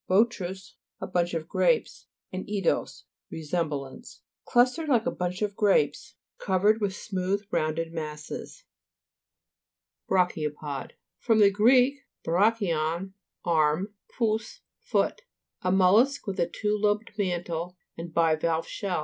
botrus, a bunch of grapes, and eidos, resemblance. Clustered like a bunch of grapes; covered with smooth, rounded BOULDER FORMATION, p. 93. BRAC'HIOPOD (Bra'ke o~pod.) fr. gr. brachion, arm, pous, foot. A mollusk with a two lobed mantle and bivalve shell.